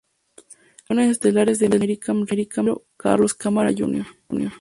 Las actuaciones estelares de Maricarmen Regueiro, Carlos Cámara Jr.